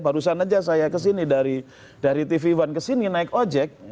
barusan saja saya ke sini dari tv one ke sini naik ojek